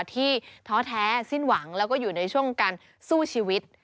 ท้อแท้สิ้นหวังแล้วก็อยู่ในช่วงการสู้ชีวิต